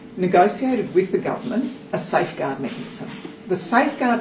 bernegosiasi dengan pemerintah untuk mewakili mekanisme penyelamat